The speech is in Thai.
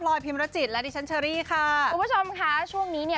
พิมรจิตและดิฉันเชอรี่ค่ะคุณผู้ชมค่ะช่วงนี้เนี่ย